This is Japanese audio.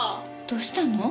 どうしたの？